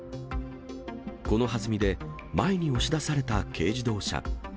このはずみで、前に押し出された軽自動車。